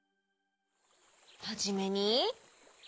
はじめに。